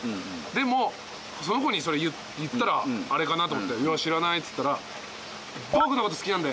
でもその子にそれ言ったらあれかなと思っていや知らないっつったら。